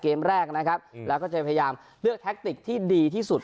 เกมแรกนะครับแล้วก็จะพยายามเลือกแท็กติกที่ดีที่สุด